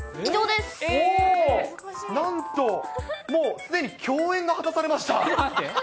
なんと、もうすでに、共演が果たされました。